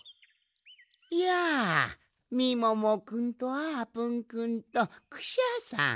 やあみももくんとあーぷんくんとクシャさん。